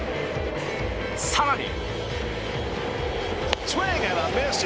更に。